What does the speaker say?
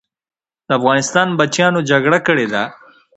د افغانستان بچیانو جګړه کړې ده.